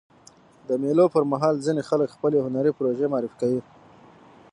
د مېلو پر مهال ځيني خلک خپلي هنري پروژې معرفي کوي.